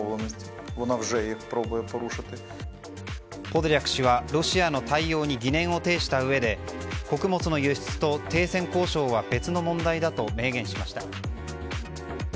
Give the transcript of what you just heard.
ポドリャク氏はロシアの対応に疑念を呈したうえで穀物の輸出と停戦交渉は別の問題だと明言しました。